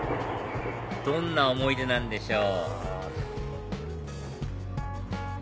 どんな思い出なんでしょう？